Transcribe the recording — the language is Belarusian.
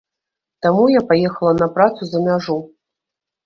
Таму я паехала на працу за мяжу.